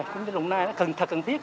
cũng như đồng nai nó thật cần thiết